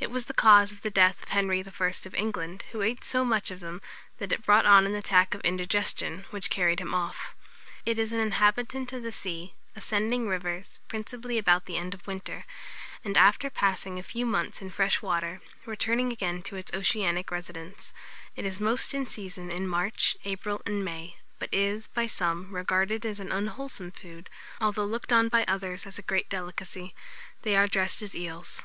It was the cause of the death of Henry I. of England, who ate so much of them, that it brought on an attack of indigestion, which carried him off. It is an inhabitant of the sea, ascending rivers, principally about the end of winter, and, after passing a few months in fresh water, returning again to its oceanic residence. It is most in season in March, April, and May, but is, by some, regarded as an unwholesome food, although looked on by others as a great delicacy. They are dressed as eels.